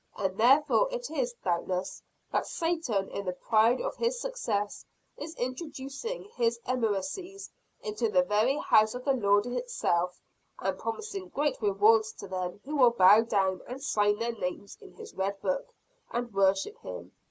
And therefore it is, doubtless, that Satan, in the pride of his success, is introducing his emissaries into the very house of the Lord itself; and promising great rewards to them who will bow down and sign their names in his red book, and worship him.